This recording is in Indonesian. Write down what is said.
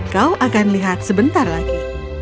kau akan lihat sebentar lagi